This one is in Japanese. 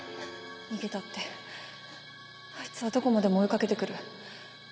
逃げたってアイツはどこまでも追いかけてくる。